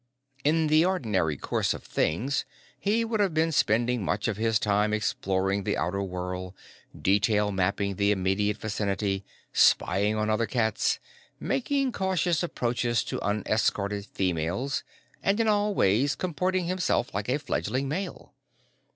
In the ordinary course of things he would have been spending much of his time exploring the outer world, detail mapping the immediate vicinity, spying on other cats, making cautious approaches to unescorted females and in all ways comporting himself like a fledgling male.